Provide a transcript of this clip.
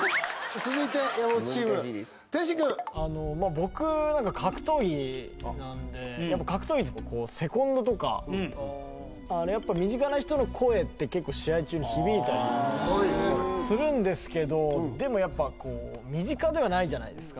僕なんか格闘技なんでやっぱやっぱ身近な人の声って結構試合中に響いたりするんですけどでもやっぱこう身近ではないじゃないですか